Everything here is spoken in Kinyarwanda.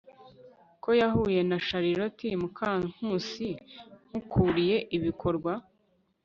ko yahuye na charlotte mukankusi nk'ukuriye ibikorwa